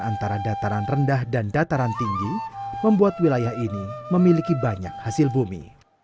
antara dataran rendah dan dataran tinggi membuat wilayah ini memiliki banyak hasil bumi